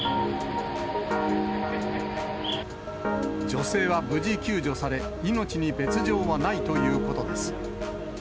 女性は無事救助され、命に別状はないということです。